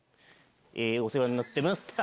お世話になってます。